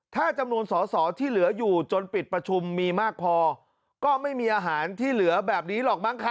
ถ้าจำนวนสอสอที่เหลืออยู่จนปิดประชุมมีมากพอก็ไม่มีอาหารที่เหลือแบบนี้หรอกมั้งคะ